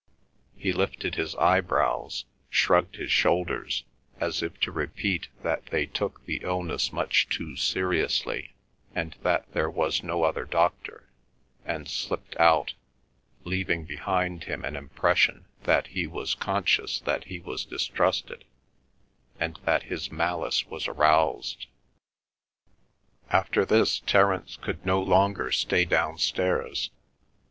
He lifted his eyebrows, shrugged his shoulders, as if to repeat that they took the illness much too seriously and that there was no other doctor, and slipped out, leaving behind him an impression that he was conscious that he was distrusted, and that his malice was aroused. After this Terence could no longer stay downstairs.